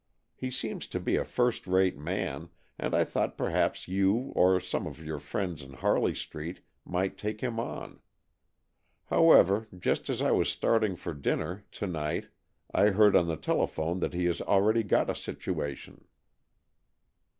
He seems to be a first rate man, and I thought perhaps you or some of your friends in Harley Street might take him on. However, just as I was starting for dinner 244 AN EXCHANGE OF SOULS to night, I heard on the telephone that he has already got a situation."